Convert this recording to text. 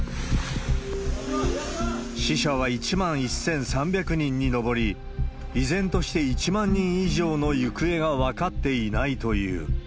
死者は１万１３００人に上り、依然として１万人以上の行方が分かっていないという。